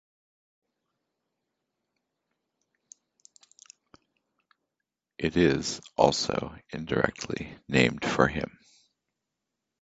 It is also, indirectly, named for him.